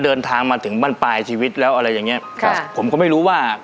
เดินทางมาถึงบ้านปลายชีวิตแล้วอะไรอย่างเงี้ยครับผมก็ไม่รู้ว่า